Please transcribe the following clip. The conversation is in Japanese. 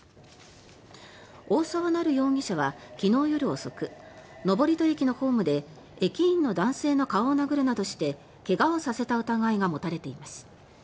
大澤成容疑者は昨日夜遅く登戸駅のホームで駅員の男性の顔を殴るなどして怪我をさせた疑いが持たれています。